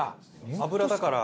油だから。